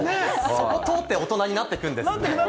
そこを通って大人になっていくんですね。